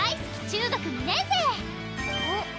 中学２年生